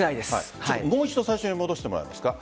もう一度最初に戻してもらえますか。